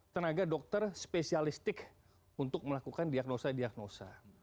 tenaga dokter spesialistik untuk melakukan diagnosa diagnosa